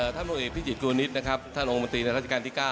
ท่านโทษเอกพิจิตรกลุวนิสต์ท่านองค์บันตรีรัฐการที่๙